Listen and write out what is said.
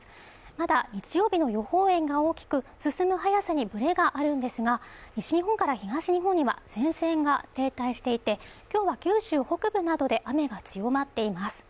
まだ日曜日の予報円が大きく進む速さにぶれがあるんですが、西日本から東日本には前線が停滞していて、今日は九州北部などで雨が強まっています。